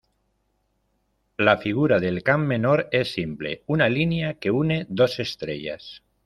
La figura del Can menor es simple: una línea que une dos estrellas.